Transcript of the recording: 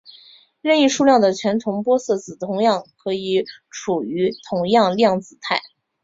任意数量的全同玻色子都可以处于同样量子态。